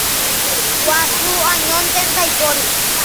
Guasu añónte ndaipóri.